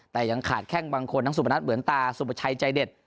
แต่ยังขาดแข้งบางคนทั้งสุพนัทเหมือนตาสุประชัยใจเด็ด